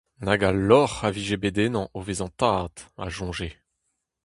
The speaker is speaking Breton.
Nag a lorc'h a vije bet ennañ o vezañ tad, a soñje !